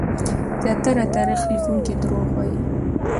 زياتره تاريخ ليکونکي دروغ وايي.